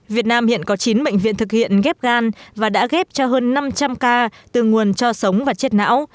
việt nam hiện có chín bệnh viện thực hiện ghép gan và đã ghép cho hơn năm trăm linh ca từ nguồn cho sống và chết não